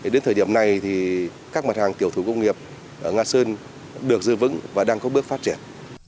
đến thời điểm này thì các mặt hàng tiểu thủ công nghiệp ở nga sơn được dư vững và đang có bước phát triển